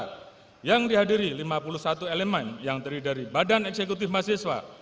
selain itu kegiatan ini juga diperkenalkan oleh elemen yang terdiri dari badan eksekutif mahasiswa